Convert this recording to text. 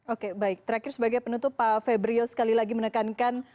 oke baik terakhir sebagai penutup pak febrio sekali lagi menekankan